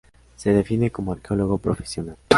Se define como arqueólogo profesional.